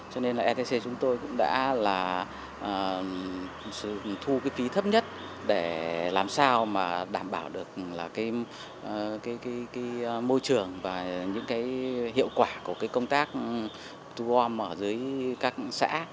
cho nên etc chúng tôi cũng đã thu phí thấp nhất để làm sao đảm bảo được môi trường và hiệu quả công tác tu ôm ở dưới các xã